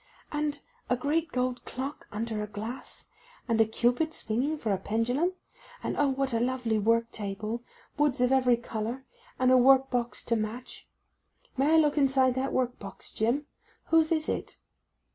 'And a great gold clock under a glass, and a cupid swinging for a pendulum; and O what a lovely work table—woods of every colour—and a work box to match. May I look inside that work box, Jim?—whose is it?